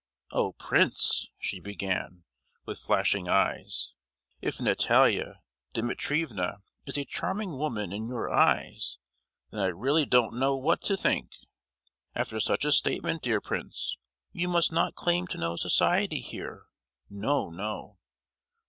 "Oh! Prince," she began, with flashing eyes, "if Natalia Dimitrievna is a charming woman in your eyes, then I really don't know what to think! After such a statement, dear Prince, you must not claim to know society here—no, no!"